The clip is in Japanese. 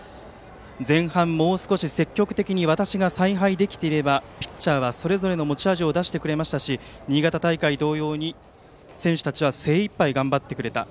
前半、もう少し積極的に私が采配できていればピッチャーはそれぞれの持ち味を出してくれましたし新潟大会同様に、選手たちは精いっぱい頑張ってくれた。